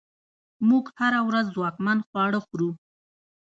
موږ هره ورځ ځواکمن خواړه خورو.